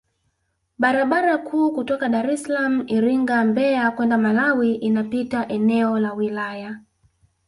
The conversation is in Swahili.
Barabara kuu kutoka Daressalaam Iringa Mbeya kwenda Malawi inapita eneo la wilaya